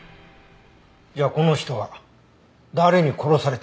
じゃあこの人は誰に殺されたの？